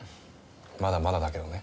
まだまだだけどね。